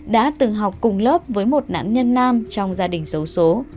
đã từng học cùng lớp với một nạn nhân nam trong gia đình số số